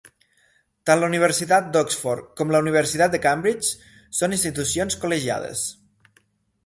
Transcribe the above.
Tant la Universitat d'Oxford com la Universitat de Cambridge són institucions col·legiades.